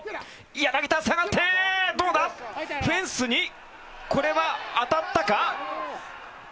柳田、下がってフェンスにこれは当たったか？